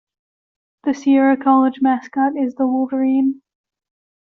The Sierra College mascot is the Wolverine.